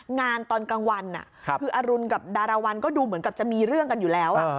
งานตอนกลางวันคืออรุณกับดาราวันก็ดูเหมือนกับจะมีเรื่องกันอยู่แล้ว